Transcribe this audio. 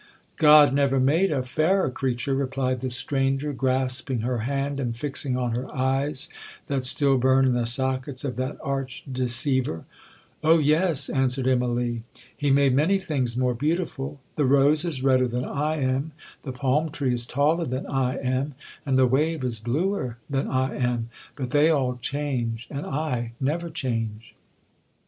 'God never made a fairer creature,' replied the stranger, grasping her hand, and fixing on her eyes that still burn in the sockets of that arch deceiver. 'Oh yes!' answered Immalee, 'he made many things more beautiful. The rose is redder than I am—the palm tree is taller than I am—and the wave is bluer than I am;—but they all change, and I never change.